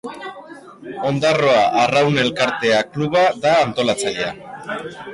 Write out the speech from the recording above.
Ondarroa Arraun Elkartea kluba da antolatzailea.